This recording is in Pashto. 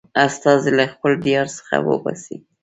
استازی له خپل دربار څخه وباسي.